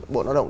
bộ ngoại động